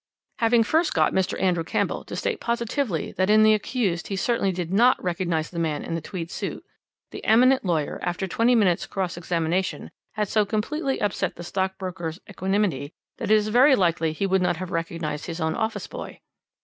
"Having first got Mr. Andrew Campbell to state positively that in the accused he certainly did not recognize the man in the tweed suit, the eminent lawyer, after twenty minutes' cross examination, had so completely upset the stockbroker's equanimity that it is very likely he would not have recognized his own office boy.